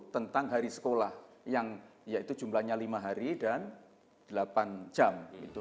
tentang hari sekolah yang yaitu jumlahnya lima hari dan delapan jam